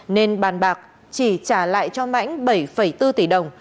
nên bàn bạc chỉ trả lại cho mãnh bảy bốn tỷ đồng